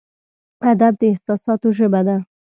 ادب د احساساتو ژبه ده.